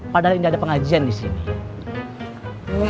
padahal tidak ada pengajian disini